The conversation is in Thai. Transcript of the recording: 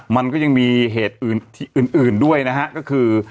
มันก็ยังมีเหตุอื่นด้วยนะฮะก็คือ